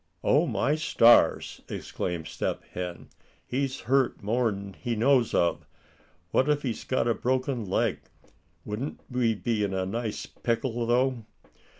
"Oh! my stars!" exclaimed Step Hen, "he's hurt more'n he knows of. What if he's got a broken leg? Wouldn't we be in a nice pickle though?"